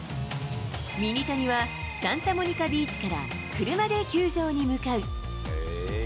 ミニタニは、サンタモニカビーチから車で球場に向かう。